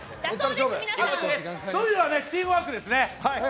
あとはチームワークですね。